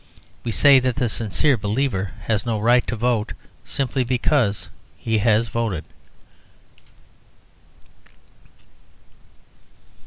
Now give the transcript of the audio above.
We say that the sincere believer has no right to vote, simply because he has voted.